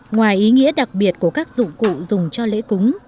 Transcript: ngoài ý nghĩa đặc biệt của các dụng cụ dùng cho lễ cúng